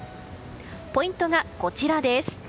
ポイントがこちらです。